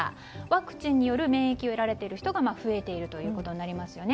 ワクチンによる免疫を得られている人が増えているということになります。